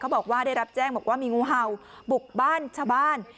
บอกว่าได้รับแจ้งบอกว่ามีงูเห่าบุกบ้านชาวบ้าน